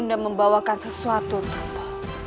ibu membawa sesuatu untukmu